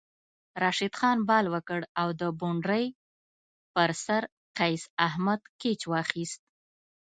راشد خان بال وکړ او د بونډرۍ پر سر قیص احمد کیچ واخیست